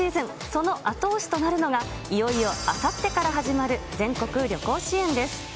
その後押しとなるのが、いよいよあさってから始まる全国旅行支援です。